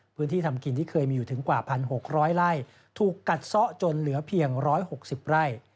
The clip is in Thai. พื้นที่ทำกินที่เคยมีอยู่ถึงกว่า๑๖๐๐ไร่ถูกกัดซะจนเหลือเพียง๑๖๐ไร่